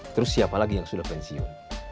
terus siapa lagi yang sudah pensiun